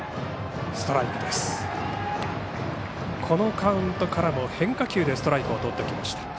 このカウントからも変化球でストライクをとってきました。